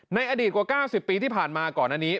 ในอดีตกว่า๙๐ปีที่ผ่านมาก่อนอันนี้